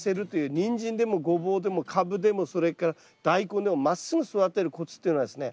ニンジンでもゴボウでもカブでもそれからダイコンでもまっすぐ育てるコツっていうのはですね